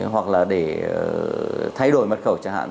hoặc là để thay đổi mật khẩu chẳng hạn